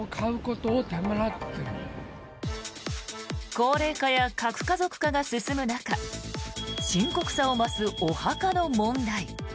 高齢化や核家族化が進む中深刻さを増すお墓の問題。